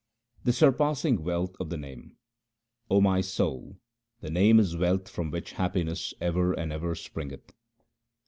The surpassing wealth of the Name :— O my soul, the Name is wealth from which happiness ever and ever springeth.